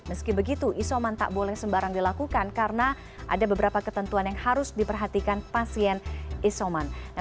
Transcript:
meski begitu isoman tak boleh sembarang dilakukan karena ada beberapa ketentuan yang harus diperhatikan pasien isoman